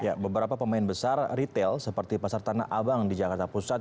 ya beberapa pemain besar retail seperti pasar tanah abang di jakarta pusat